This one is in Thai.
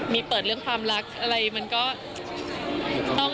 มีเปิดเรื่องความรักอะไรมันก็ต้อง